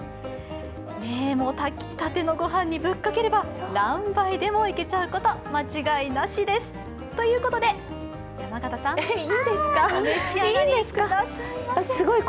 炊きたての御飯にぶっかければ何杯でもいけちゃうこと間違いなしです！ということで山形さん、お召し上がりください。